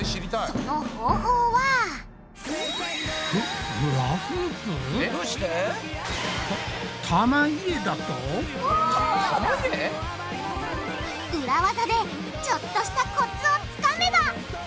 その方法は裏ワザでちょっとしたコツをつかめば！